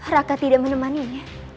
raka tidak menemani dia